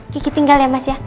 kiki tinggal ya mas ya